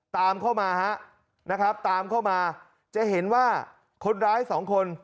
ตามเข้ามาฮะนะครับตามเข้ามาจะเห็นว่าคนร้ายสองคน